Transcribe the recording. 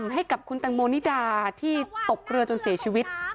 ให้กับคุณแตงโมนิดาที่ตกเรือจนเสียชีวิต